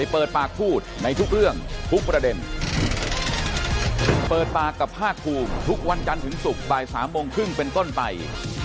โปรดติดตามตอนต่อไป